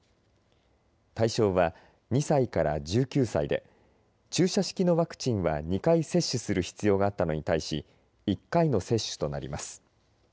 対象は２歳から１９歳で注射式のワクチンは２回接種する必要があったのに対し１回の接種となります。